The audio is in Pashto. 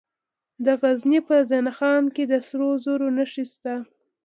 د غزني په زنه خان کې د سرو زرو نښې شته.